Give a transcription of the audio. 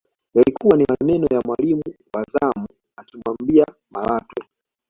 Yalikuwa ni maneno ya mwalimu wa zamu akimwambia Malatwe